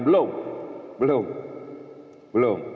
belum belum belum